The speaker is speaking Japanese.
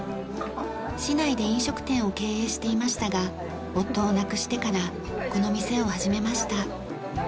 市内で飲食店を経営していましたが夫を亡くしてからこの店を始めました。